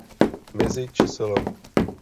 Mezi čsl.